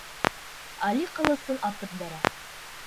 Али ҡылысын атып бәрә: